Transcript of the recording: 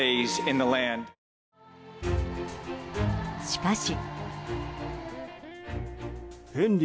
しかし。